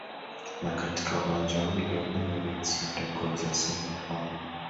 na katika uwanja ule wa emirates na rekodi za sema kwamba